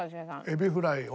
エビフライを。